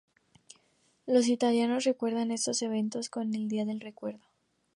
Los italianos recuerdan estos eventos con el Día del Recuerdo.